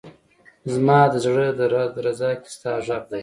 زما ده زړه درزا کي ستا غږ دی